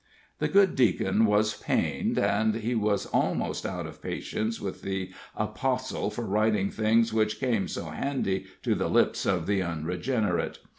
'" The good Deacon was pained, and he was almost out of patience with the apostle for writing things which came so handy to the lips of the unregenerate.